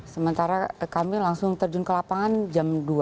sementara kami langsung terjun ke lapangan jam dua